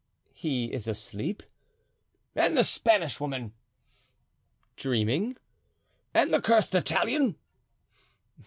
"He is asleep." "And the Spanish woman?" "Dreaming." "And the cursed Italian?"